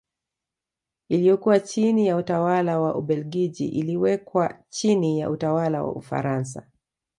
Iliyokuwa chini ya utawala wa Ubelgiji iliwekwa chini ya utawala wa Ufaransa